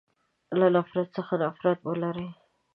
له نفرت څخه نفرت ولری.